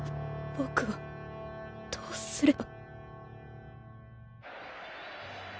僕はどうすれば。